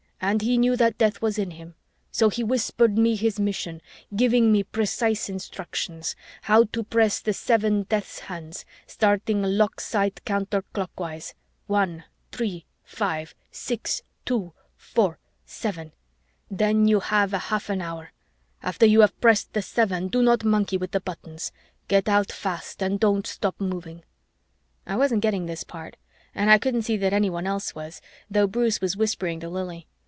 And he knew that death was in him, so he whispered me his mission, giving me precise instructions: how to press the seven death's hands, starting lockside counterclockwise, one, three, five, six, two, four, seven, then you have a half an hour; after you have pressed the seven, do not monkey with the buttons get out fast and don't stop moving." I wasn't getting this part and I couldn't see that anyone else was, though Bruce was whispering to Lili.